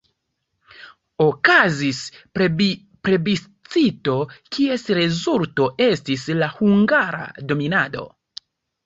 Okazis plebiscito, kies rezulto estis la hungara dominado.